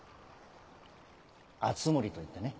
『敦盛』といってね